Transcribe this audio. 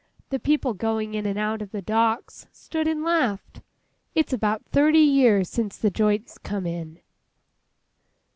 The people going in and out of the docks, stood and laughed!—It's about thirty years since the joints come in.